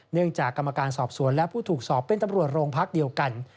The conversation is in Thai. จากกรรมการสอบสวนและผู้ถูกสอบเป็นตำรวจโรงพักเดียวกัน